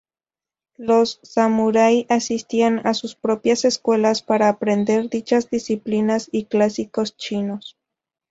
Los samurái asistían a sus propias escuelas para aprender dichas disciplinas y clásicos chinos.